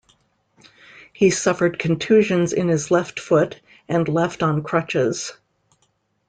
He suffered contusions in his left foot, and left on crutches.